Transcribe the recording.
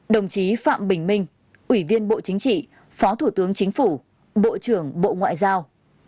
một mươi một đồng chí phạm bình minh ủy viên bộ chính trị phó thủ tướng chính phủ bộ trưởng bộ ngoại giao